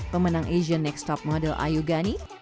pemenang asian next top model ayu gani